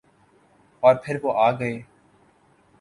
اورپھر وہ آگئے۔